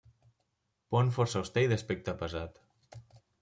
Pont força auster i d'aspecte pesat.